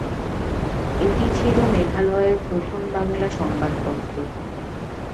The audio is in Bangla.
এটি ছিল মেঘালয়ের প্রথম বাংলা সংবাদপত্র।